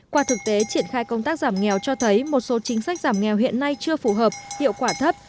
qua thực tế triển khai công tác giảm nghèo cho thấy một số chính sách giảm nghèo hiện nay chưa phù hợp hiệu quả thấp